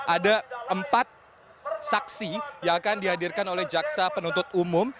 ada empat saksi yang akan dihadirkan oleh jaksa penuntut umum